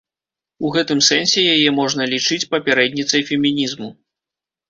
У гэтым сэнсе яе можна лічыць папярэдніцай фемінізму.